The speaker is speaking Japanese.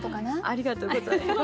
ありがとうございます。